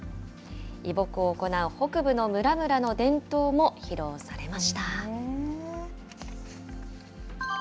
移牧を行う北部の村々の伝統も披露されました。